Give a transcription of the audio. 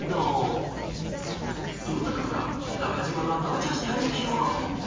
［その中から中島がガチャした駅は］